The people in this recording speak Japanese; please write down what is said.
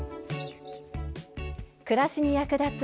暮らしに役立つ